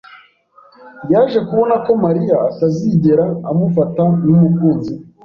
yaje kubona ko Mariya atazigera amufata nk'umukunzi we.